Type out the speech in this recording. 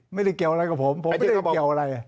ไม่ได้เกี่ยวอะไรกับผมผมไม่ได้เกี่ยวอะไร